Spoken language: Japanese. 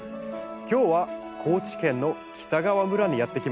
今日は高知県の北川村にやって来ました。